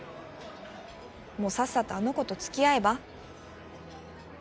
もうさっさとあの子と付き合えば？